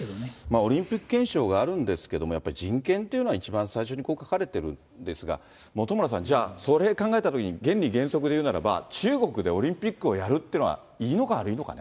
オリンピック憲章があるんですけれども、やっぱり人権というのが一番最初に書かれてるんですが、本村さん、じゃあ、それ考えたときに、原理原則でいうならば、中国でオリンピックをやるってのは、いいのか悪いのかね。